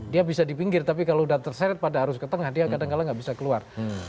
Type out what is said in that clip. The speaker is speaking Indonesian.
dia bisa di pinggir tapi kalau sudah terseret pada harus ke tengah dia kadang kadang nggak bisa keluar